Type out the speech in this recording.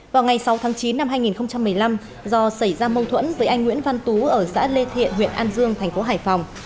vào ngày sáu tháng chín năm hai nghìn một mươi năm do xảy ra mâu thuẫn với anh nguyễn văn tú ở xã lê thiện huyện an dương thành phố hải phòng